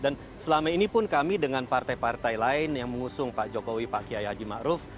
dan selama ini pun kami dengan partai partai lain yang mengusung pak jokowi pak kiai haji ma'ruf